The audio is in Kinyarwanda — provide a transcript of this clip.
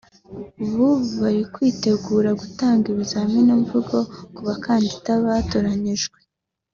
ubu bari kwitegura gutanga ibizamini mvugo ku bakandida batoranyijwe